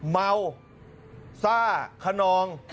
เมาซ่าขนอง